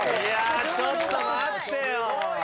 ちょっと待ってよ。